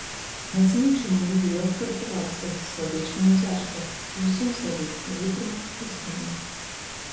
Мацнейшаму будзе лёгка ратавацца, слабейшаму цяжка, зусім слабы не вытрымае і згіне.